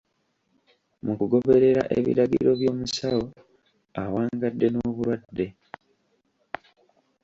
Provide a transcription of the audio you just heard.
Mu kugoberera ebiragiro by'omusawo, awangadde n'obulwadde.